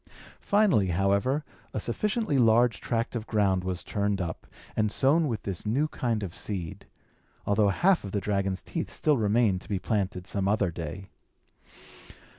Finally, however, a sufficiently large tract of ground was turned up, and sown with this new kind of seed; although half of the dragon's teeth still remained to be planted some other day.